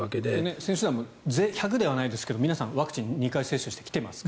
選手団も１００ではないですが皆さん２回ワクチンを接種してきていますから。